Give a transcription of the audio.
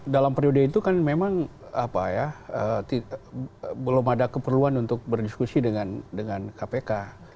dalam periode itu kan memang belum ada keperluan untuk berdiskusi dengan kpk